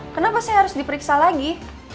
kenapa sih harus diperiksa lagi